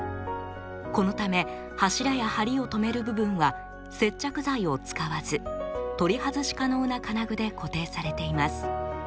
このため柱や梁をとめる部分は接着剤を使わず取り外し可能な金具で固定されています。